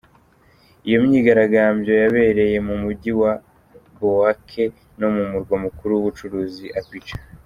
Iyo myigaragambyo yabereye mu mujyi wa Bouake no mu murwa mukuru w’ ubucuruzi Abidjan.